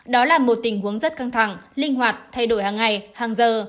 đó là một tình huống rất căng thẳng linh hoạt thay đổi hàng ngày hàng giờ